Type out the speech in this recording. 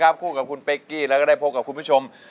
คู่กับคุณเป๊กกี้แล้วก็ได้พบกับคุณผู้ชม